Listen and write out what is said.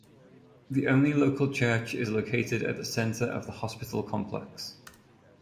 The only local church is located at the center of the hospital complex.